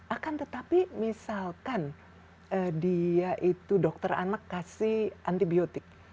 akan tetapi misalkan dia itu dokter anak kasih antibiotik